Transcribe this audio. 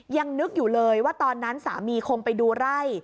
ยังนึกอยู่เลยว่าตอนนั้นสามีคงไปดูไร่